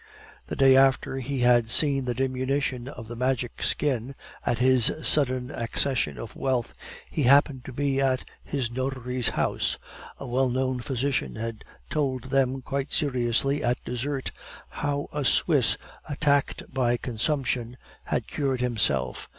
The day after he had seen the diminution of the Magic Skin, at his sudden accession of wealth, he happened to be at his notary's house. A well known physician had told them quite seriously, at dessert, how a Swiss attacked by consumption had cured himself.